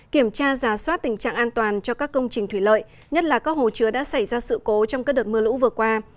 kiểm tra giả soát tình trạng an toàn cho các công trình thủy lợi nhất là các hồ chứa đã xảy ra sự cố trong các đợt mưa lũ vừa qua